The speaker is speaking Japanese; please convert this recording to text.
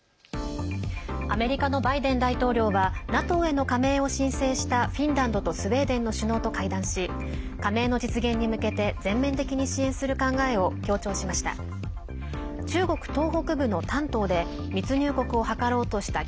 アメリカのバイデン大統領はＮＡＴＯへの加盟を申請したフィンランドとスウェーデンの首脳と会談し加盟の実現に向けて全面的に支援する考えを強調しました。